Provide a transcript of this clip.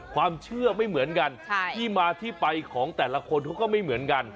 ความเชื่อไม่เหมือนกันที่มาที่ไปของแต่ละคนเขาก็ไม่เหมือนกัน